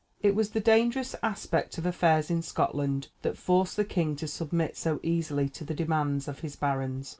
It was the dangerous aspect of affairs in Scotland that forced the king to submit so easily to the demands of his barons.